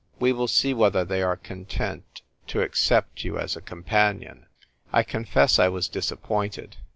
We will see whether they are content to accept you as a com panion." I confess I was disappointed.